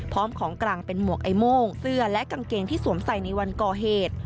ของกลางเป็นหมวกไอ้โม่งเสื้อและกางเกงที่สวมใส่ในวันก่อเหตุ